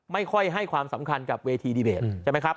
ไม่ค่อยให้ความสำคัญกับเวทีดีเบตใช่ไหมครับ